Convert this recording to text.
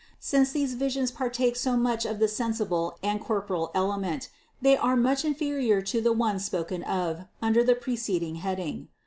Since these visions partake so much of the sensible and corporal element, they are much inferior to the ones spoken of under the preceding head ing.